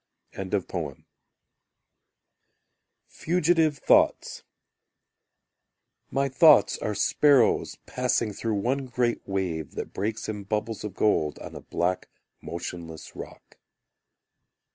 Fugitive Thoughts My thoughts are sparrows passing Through one great wave that breaks In bubbles of gold on a black motionless rock.